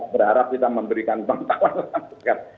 berharap kita memberikan uang tawar dalam negara